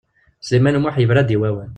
Sliman U Muḥ yebra-d i wawal.